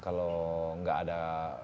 kalau nggak ada